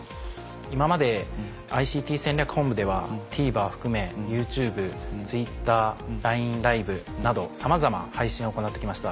今までＩＣＴ戦略本部ではＴＶｅｒを含めＹｏｕＴｕｂｅＴｗｉｔｔｅｒＬＩＮＥＬＩＶＥなどさまざま配信を行って来ました。